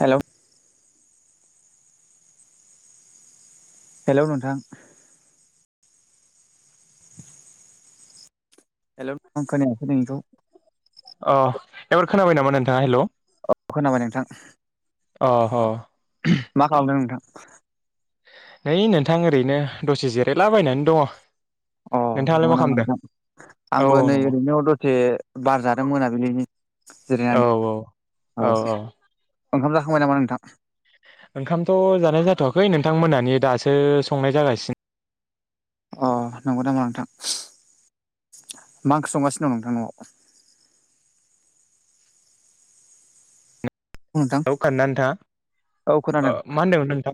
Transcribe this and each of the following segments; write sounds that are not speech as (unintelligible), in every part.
Hello hello नोंथां hello आं खोनायाखै नोंनिखौ अ एबार खोनाबाय नामा नोंथाङा हेलौ औ खोनाबाय नोंथां अ अ मा खालामदों नोंथां है नोंथां ओरैनो दसे जिरायलाबायनानै दङ अ नोंथाङालाय नंगौ मा नामा खालामदों नोंथां औ आंबो औ नै नंगौ ओरैनो दसे बार जादों मोनाबिलिनि औ जिरायनानै औ औ औ ओखाम जाखांबाय नामा नोंथां ओंखामथ जानाय जाथवाखै नोंथां मोनानि दासो संनाय जागासिनो अ नंगौ नामा नोंथां मा ओंख्रि संगासिनो दं नोंथां न'वाव नोंथां औ खोनादोंना औ नोंथाङा ओ खोनादों मा होनदोंमोन नोंथां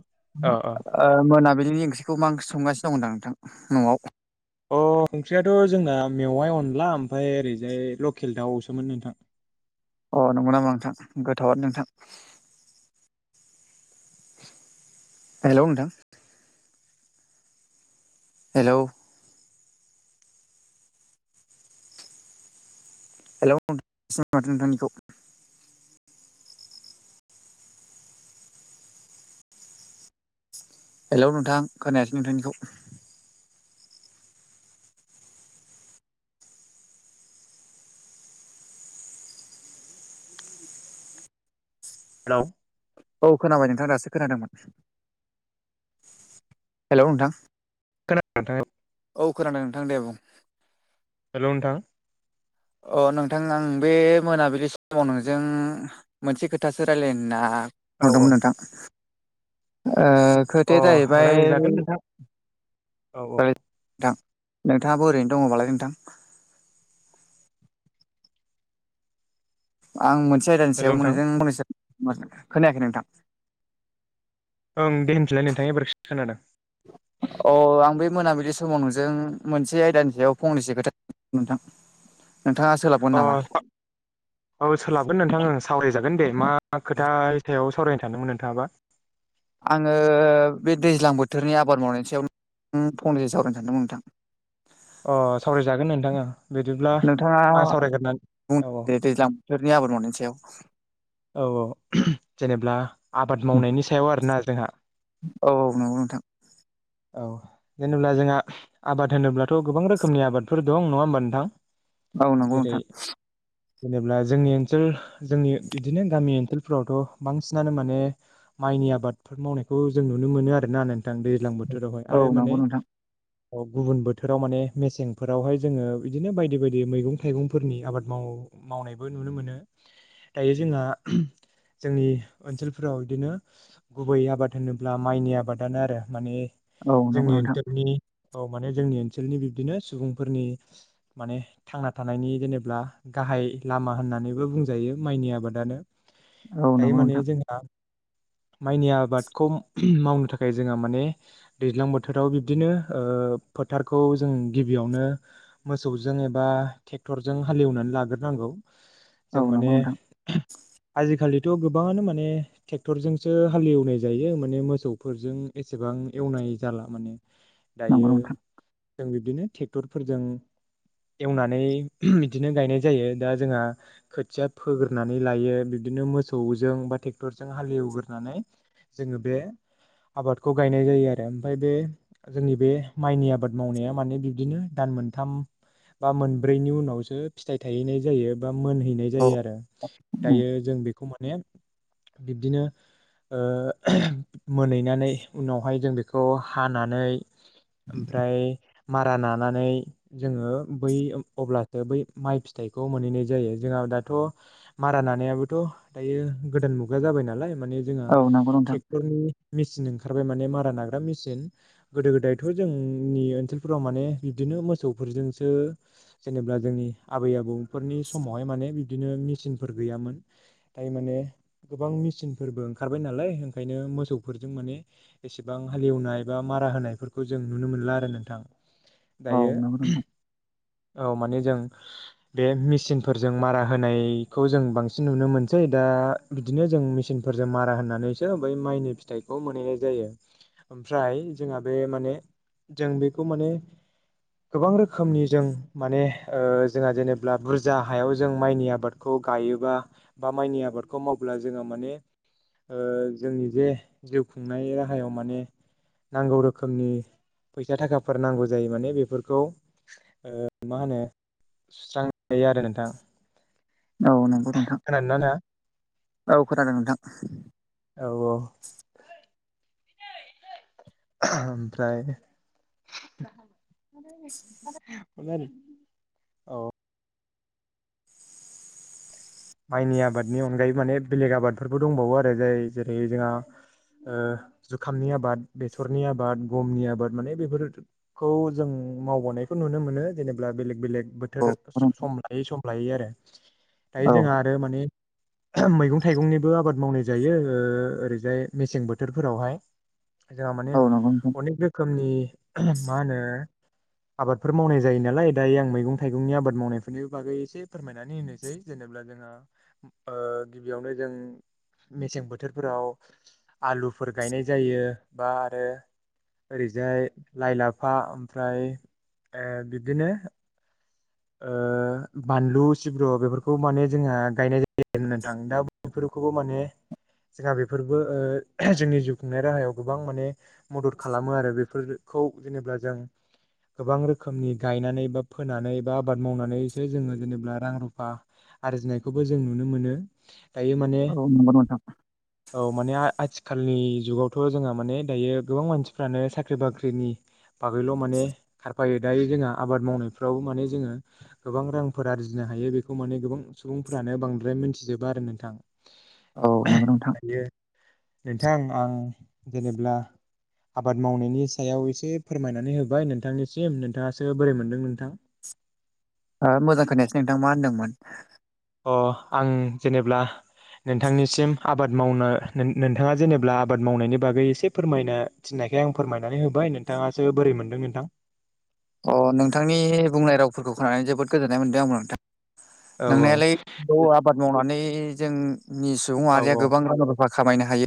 अ अ ओ मोनाबिलिनि ओंख्रिखौ मा ओंख्रि संगासिनो दं दां नोंथां न'वाव अ ओंख्रियाथ जोंना मेवाइ अनला ओमफ्राय ओरैजाय लकेल दाउसोमोन नोंथां अ नंगौ नामा नोंथां गोथावानो नोंथां हेलौ नोंथां हेलौ हेलौ (unintelligible) माथो नोंथांनिखौ हेलौ नोंथां खोनायासै नोंथांनिखौ हेलौ औ खोनाबाय नोंथां दासो खोनादोंमोन हेलौ नोंथां खोनादों नोंथाङा औ खोनादों नोंथां दे बुं हेलौ नोंथां अ नोंथां आं बे मोनाबिलि समाव नोंजों मोनसे खोथासो रायलायनो होनना फन औ हरदोंमोन नोंथां ओ औ अ खोथाया जाहैबाय रायज्लायजागोन नोंथां औ औ नोंथां नोंथाङाबो ओरैनो दङबालाय नोंथां आं मोनसे आयदानि हेलौ सायाव नोंथां नोंजों फंनैसे खोनायाखै नोंथां ओं दे होनफिलाय नोंथां एबार खोनादों अ आं बे मोनाबिलि समाव नोंजों मोनसे आयदानि सायाव फंनैसो खोथा नोंथां नोंथाङा सोलाबगोन अ नामा औ सोलाबगोन नोंथां सावरायजागोन दे मा मा खोथानि सायाव सावरायनो सानदोंमोन नोंथाङाबा आङो बे दैज्लां बोथोरनि आबाद मावनायनि सायावनों फंनैसो सावरायनो सानदोंमोन नोंथां अ सावरायजागोन नोंथां अ नोंथाङा औ औ बुंग्रोदो दैज्लां बोथोरनि आबाद मावनायनि सायाव औ औ जेनेब्ला आबाद मावनायनि सायाव आरोना जोंहा औ औ नंगौ नोंथां औ जेनेबा जोंहा आबाद होनोब्लाथ गोबां रोखोमनि आबादफोर दं नङा होमबा नोंथां औ नंगौ नोंथां जेरै जेनेल्बा जोंनि ओनसोल जोंनि बिदिनो गामि ओनसोल फोरावथ बांसिनानो माने माइनि आबादफोर मावनायखौ जों नुनो मोनो आरोना नोंथां दैज्लां बोथोरावहाय औ आरो नंगौ माने नोंथां औ गुबुन बोथोराव माने मेसेंफोरावहाय जोङो बिदिनो बायदि बायदि मैगं थाइगंफोरनि आबाद मावो मावनायबो नुनो मोनो दायो जोंहा जोंनि ओनसोलफोराव बिदिनो गुबै आबाद होनोब्ला माइनि आबादानो आरो माने औ नंगौ जोंनि नोंथां ओनसोलनि औ माने जोंनि ओनसोलनि बिब्दिनो सुबुंफोरनि माने थांना थानायनि जेनेबा गाहाय लामा होननानैबो बुंजायो माइनि आबादानो औ दायो नंगौ माने नोंथां जोंहा माइनि आबादखौ मावनो थाखाय जोंहा माने दैज्लां बोथोराव बिब्दिनो फोथारखौ जों गिबियावनो मोसौजों एबा ट्रेक्टरजों हालेवनानै लाग्रोनांगौ औ जों नंगौ माने नोंथां आजिखालिथ गोबाङानो माने ट्रेक्टरजोंसो हालेवनाय जायो माने मोसौफोरजों एसेबां एवनाय जाला माने नंगौ दायो नोंथां जों बिबदिनो ट्रेक्टरफोरजों एवनानै बिदिनो गायनाय जायो दा जोंहा खोथिया फोग्रोनानै लायो बिदिनो मोसौजों बा ट्रेक्टरजों हालेवग्रोनानै जोङो बे आबादखौ गायनाय जायो आरो ओमफ्राय बे जोंनि बे माइनि आबाद मावनाया माने बिबदिनो दान मोनथाम बा मोनब्रैनि उनावसो फिथाइ थायहैनाय जायो बा मोनहैनाय औ जायो आरो उम, दायो जों बेखौ मोन बिब्दिनो मोनहैनानै उनावहाय जों बे बेखौ हानानै ओमफ्राय मारा नानानै जोङो बै अब्लासो बै माइ फिथाइखौ मोनहैनाय जायो जोंहा दाथ' मारा नानायाबोथ' दायो गोदान मुगा जाबाय नालाय माने जोंहा औ नंगौ नोंथां ट्रेक्टरनि मेसिन ओंखारबाय माने मारा नाग्रा मेसिन गोदो गोदायथ' जोंनि ओनसोलफोराव माने बिबदिनो मोसौफोरजोंसो जेनेबा जोंनि आबै आबौफोरनि समावहाय माने बिब्दिनो मेचिनफोर गैयामोन ओमफ्राय माने गोबां मेचिनफोरबो ओंखारबाय नालाय ओंखायनो मोसौफोरजों माने एसे गोबां हालेवनाय बा मारा होनायफोरखौ जों नुनो मोनला आरो नोंथां औ दायो नंगौ नोंथां औ माने जों बे मेचिनफोरजों मारा होनायखौ जों बांसिन नुनो मोनसै दा बिदिनो जों मेसिनफोरजों मारा होनानैसो बै माइनि फिथाइखौ मोनहैनाय जायो ओमफ्राय जोंहा बे माने जों बेखौ माने गोबां रोखोमनि जों माने जोंहा जेनेब्ला बुरजा हायाव जों माइनि आबाद खौ गायोबा बा माइनि आबादखौ मावब्ला जोङो माने जोंनि जे जिउ खुंनाय राहायाव माने नांगौ रोखोमनि फैसा थाखाफोर नांगौ जायो माने बेफोरखौ मा होनो सुस्रांयो आरो नोंथां औ नंगौ नोंथां खोनादोंना नोंथाङा औ खोनादों नोंथां औ औ ओमफ्राय औ माइनि आबादनि अनगायै माने बेलेग आबादफोरबो दंबावो आरो जाय जेरै जोंहा जुखामनि आबाद बेसरनि आबाद गमनि आबाद माने बेफोर खौ जों मावबोनायखौ नुनो मोनो जेनेब्ला बेलेग बेलेग औ बोथोर सम लायै सम लायै आरो दायो जोंहा आरो माने (inaudible) मैगं थाइगंनिबो आबाद मावनाय जायो ओरैजाय मेसें बोथोरफोरावहाय जोंहा माने औ नंगौ नोंथां अनेक रोखोमनि मा होनो आबादफोर मावनाय जायो नालाय दायो आं मैगं थाइगंनि आबाद मावनायफोरनि बागै एसे फोरमायनानै होनोसै। जेनेबा जोंहा गिबियावनो जों मेसें बोथोरफोराव आलुफोर गायनाय जायो बा आरो ओरैजाय लाइ लाफा ओमफ्राय बिब्दिनो बानलु सिब्रु बेफोरखौ माने जोंहा गायनाय जायो। (unintelligible) नोंथां दा बेफोरखौबो माने जोंहा बेफोरबो जोंनि जिउ खुंनाय राहायाव गोबां माने मदद खालामो आरो बेफोरखौ जेनेबा जों गोबां रोखोमनि गायनानै बा फोनानै बा आबाद मावनानैसो जोङो जेनेबा रां रुफा आरजिनायखौबो जों नुनो मोनो। थायो माने औ नंगौ नोंथां औ माने आथिखालनि जुगावथ' जोंहा माने दायो गोबां मानसिफ्रानो साख्रि बाख्रिनि बागैल' माने खारफायो दायो जोंहा आबाद मावनायफ्राव माने जोङो गोबां रांफोर आरजिनो हायो बेखौ माने गोबां सुबुंफ्रानो बांद्राय मिथिजोबा आरो नोंथां औ नंगौ नोंथां दायो नोंथां आं जेनेब्ला आबाद मावनायनि सायाव एसे फोरमायनानै होबाय नोंथांनिसिम नोंथाङासो बोरै मोनदों नोंथां? आ मोजां खोननायासै नोंथां मा होन्दोंमोन? अ आं जेनेब्ला नोंथांनिसिम आबाद मावनो नोंथाङा जेनेबा आबाद मावनायनि बागै एसे फोरमायना थिननायखाय आं फोरमायनानै होबाय नोंथाङासो बोरै मोनदों नोंथां? अ नोंथांनि बुंनाय रावफोरखौ खोनानानै जोबोद गोजोननाय मोनदों आं नोंथां औ नोंनायालाय बे आबाद मावनानै जोंनि सुबुं औ माहारिया गोबां रां रुफा खामायनो हायो।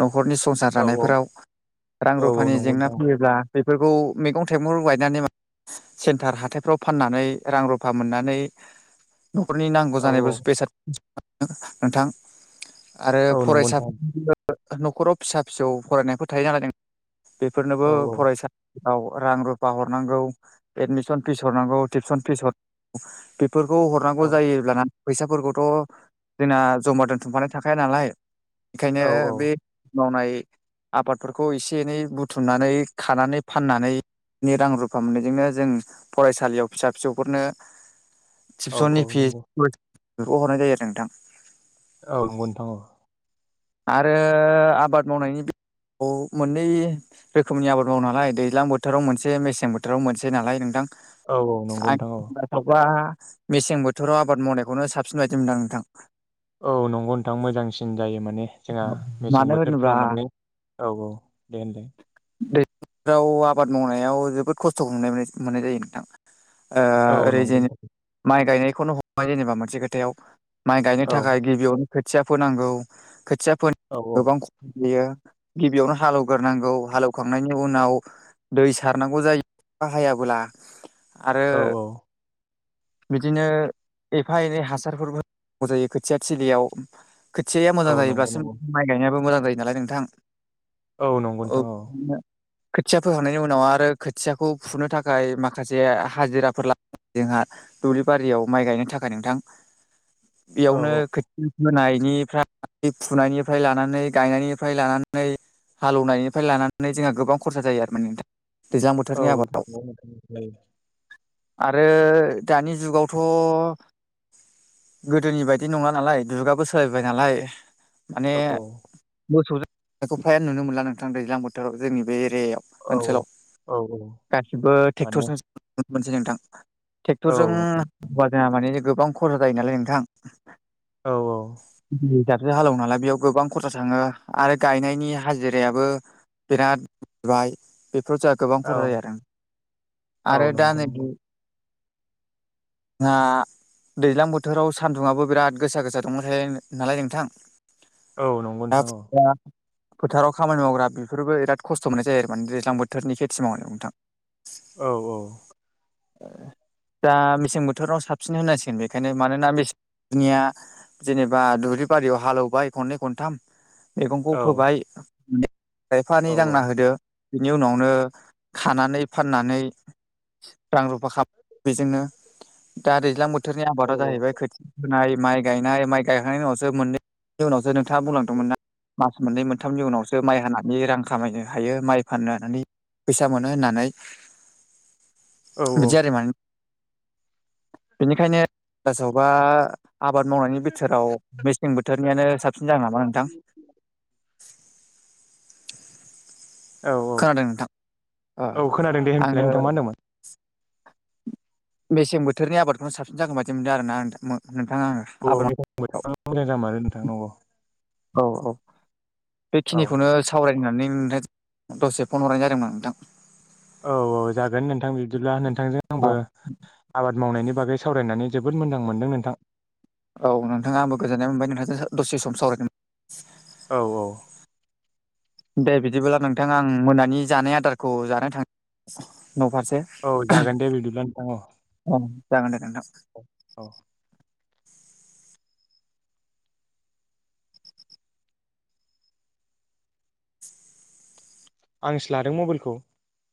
न'खरनि संसार औ औ जानायफोराव रां औ औ रुफानि नंगौ जेंना नोंथां फैयोब्ला बेफोरखौ मैगं थाइगं गायनानै सेन्टार हाथायफ्राव फाननानै रां रुफा मोननानै न'खरनि नांगौ औ जानाय (unintelligible) औ बेसाद नोंथां आरो औ नंगौ नोंथां फरायसाफोर न'खराव फिसा फिसौ फरायनायफोर थायो नालाय जों बेफोरनोबो औ फरायसालियाव रां रुफा हरनांगौ। एडमिसन फिस हरनांगौ टिउसन फिस हरनांगौ बेफोरखौ औ हरनांगौ जायोब्लाना फैसाफोरखौथ' जोंना जमा दोनथुमखानाय थाखाया नालाय औ बेखायनो बे मावनाय आबादफोरखौ एसे एनै बुथुमनानै खानानै फाननानै रां रुफा फा मोननायजोंनो जों फरायसालियाव फिसा फिसौफोरनो औ टिउसननि औ नंगौ फिसखौ हरनाय जायो आरो नोंथां। औ नंगौ नोंथां औ आरो आबाद मावनायनि बेलायाव मोननै रोखोमनि आबाद मावो नालाय दैज्लां बोथोराव मोनसे मेसें बोथोराव मोनसे नालाय नोंथां औ औ नंगौ नोंथां औ आंनि मथेबा मेसें बोथोराव आबाद मावनायखौनो साबसिन बायदि मोनदां नोंथां। औ नंगौ नोंथां मोजांसिन जायो माने। जोंहा मेसें मानो होनोब्ला बोथोरफ्राव मोननै औ औ दे होनदो फ्राव आबाद मावनायाव जोबोद खस्थ'खौ मोननाय जायो नोंथां। औ ओरै नंगौ जेनेबा नोंथां माइ गायनायखौनो हमबाय जेनेबा मोनसे खोथायाव माइ गायनो औ थाखाय गिबियावनो खोथिया फोनांगौ खोथिया फोन औ औ गोबां ख बियो गिबियावनो हाल एवग्रोनांगौ हाल एवखांनायनि उनाव दै सारनांगौ जायो अखा हायाब्ला आरो औ औ बिदिनो एफा एनै हासारफोर होनांगौ जायो खोथिया थिलियाव खथियाया मोजां औ जायो नंगौ नंगौ माइ गायनायाबो मोजां जायो नालाय नोंथां औ नंगौ औ नोंथां खोथिया फोखांनायनि उनाव आरो खोथियाखौ फुनो थाखाय माखासे हाजिराफोर ला जोंहा दुब्लि बारियाव माइ गायनो थाखाय नोंथां बेयावनो औ खोथिया फोनायनिफ्राय बे फुनायनिफ्राय लानानै गायनायनिफ्राय लानानै हाल एवनायनिफ्राय लानानै जोंहा गोबां खरसा जायो आरो माने नोंथां दैज्लां औ बोथोरनि आबादाव नंगौ नोंथां जायो आरो दानि जुगावथ' गोदोनि बायदि नङा नालाय जुगाबो सोलायबाय नालाय माने औ मोसौ खौ फ्रायानो नुनो मोनला नोंथां दैज्लां बोथोराव जोंनि बे एरियायाव औ ओनसोलाव औ औ गासिबो माने ट्रेक्टरजों मोनसै नोंथां औ ट्रेक्टरजों हा जोंहा माने गोबां खरहा जायो नालाय नोंथां औ औ हिसाबसो हालेव नालाय बेयाव गोबां खरसा थांङो आरो गायनायनि हाजिरायाबो बिराद बाय बेफोराव जा गोबां औ खहा जायो आरो आरो औ दा नंगौ नै नंगौ जोंहा दैज्लां बोथोराव सान्दुंङा आबो बिराद गोसा गोसा दुंबाय थायो नालाय नोंथां औ नंगौ नोंथां औ (unintelligible) फोथाराव खामानि मावग्रा बेफोरबोराद खस्थ' मोननाय जायो आरो माने दैज्लां बोथोरनि खेथि मावोदों नोंथां (inaudible) औ औ दा मेसें बोथोराव साबसिन होनांसिगोन बेखायनो मानोना मेसेंनिया जेनेबा दुब्लि बारियाव हालेौबाय खननै खनथाम मैगंखौ औ फोबाय खायफानि औ दांना होदो बिनि उनावनो खानानै फाननानै रां रुफा खालाम बेजोंनो दा दैज्लां बोथोर बोथोरनि औ आबादा जाहैबाय खोथिया फोनाय माइ गायनाय माइ गायखांनायनि उनाव जों मोनैनि उनावसो नोंथांङा बुंलांदोंमोन ना मास मोननै मोनथामनि उनावसो माइ हानानै रां खामायनो हायो माइ फाननो हनानै फैसा मोनो होननानै औ बिदि आरो माने बेनिखायनो सोआवबा आबाद मावनायनि बिथोराव मेसें बोथोरनियानो साबसिन जागोन नामा नोंथां (inaudible) औ औ खोनादों नोंथां ओ औ खोनादों दे होनफिनलाय आङो नोंथां मा होनदोंमोन बेसें बोथोरनि आबादखौनो साबसिन जागोन बाददि मोनदों आरोना नोंथांङा आंङो अ मोजां मोजां जामारो नोंथां नंगौ औ औ औ बेखिनिखौनो सावरायनानै नोंथां दसे फन हरनाय जादोंमोन नोंथां औ औ जागोन नोंथां बिदिब्ला नोंथांजों आंबो आबाद मावनायनि बागै सावरायनानै जोबोद मोजां मोनदों नोंथां औ नोंथांङा आंबो गोजोन्नाय मोनबाय नोंथांजों दसे सम सावरायगोन औ औ दे बिदिब्लाब्ला नोंथां आं मोनानि जानाय आदारखौ जानो थां न'फारसे औ जागोन दे बिदिब्ला नोंथां औ अ जागोन दे नोंथां औ आंसो लादों मबाइलखौ